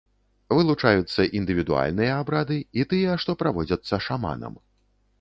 Вылучаюцца індывідуальныя абрады і тыя, што праводзяцца шаманам.